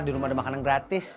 di rumah ada makanan gratis